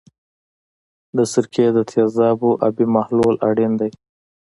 د سرکې د تیزابو آبي محلول اړین دی.